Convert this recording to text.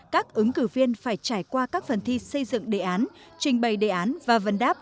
các ứng cử viên phải trải qua các phần thi xây dựng đề án trình bày đề án và vần đáp